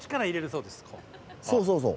そうそうそう。